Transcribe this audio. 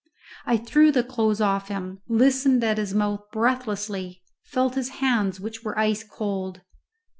I threw the clothes off him, listened at his mouth breathlessly, felt his hands, which were ice cold.